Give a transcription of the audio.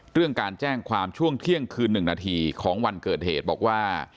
เรื่องการแจ้งความช่วงเที่ยงคืน๑นาทีของวันเกิดเหตุบอกว่า